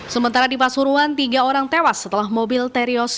sementara di pasuruan tiga orang tewas setelah mobil terios